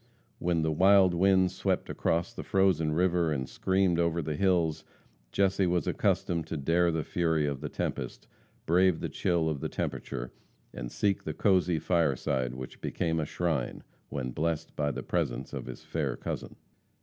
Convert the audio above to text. When the wild winds swept across the frozen river, and screamed over the hills, Jesse was accustomed to dare the fury of the tempest, brave the chill of the temperature, and seek the cosy fireside which became a shrine, when blessed by the presence of his fair cousin.